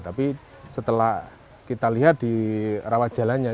tapi setelah kita lihat di rawat jalannya